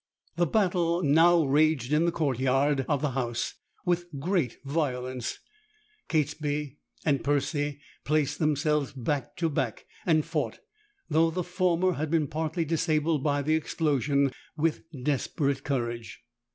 The battle now raged in the court yard of the house with great violence. Catesby and Percy placed themselves back to back, and fought, though the former had been partly disabled by the explosion, with desperate courage.